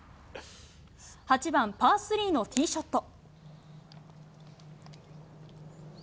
８番パー３のティーショット。